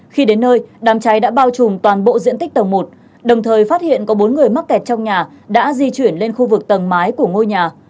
khi đến nơi đám cháy đã bao trùm toàn bộ diện tích tầng một đồng thời phát hiện có bốn người mắc kẹt trong nhà đã di chuyển lên khu vực tầng mái của ngôi nhà